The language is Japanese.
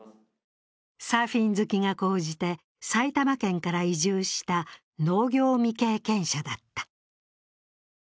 サーフィン好きが高じて、埼玉県から移住した農業未経験者だった。